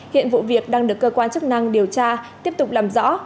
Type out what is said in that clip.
hiện vụ việc đang được cơ quan chức năng điều tra tiếp tục làm rõ